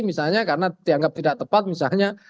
misalnya karena dianggap tidak tepat misalnya